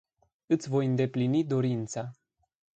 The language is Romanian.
Iti voi indeplini dorinta.